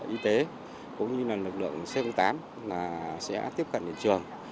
y tế cũng như là lực lượng c tám sẽ tiếp cận đến trường